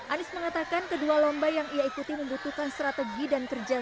anies mengatakan kedua lomba yang ia ikuti membutuhkan strategi dan kerja